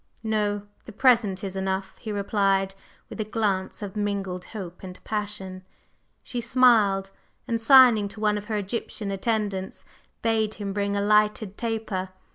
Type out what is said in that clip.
"No. The present is enough," he replied, with a glance of mingled hope and passion. She smiled, and signing to one of her Egyptian attendants, bade him bring a lighted taper.